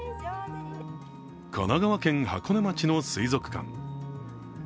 神奈川県箱根町の水族館。